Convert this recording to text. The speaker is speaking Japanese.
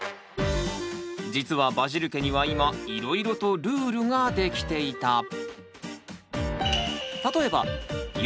実はバジル家には今いろいろとルールができていた！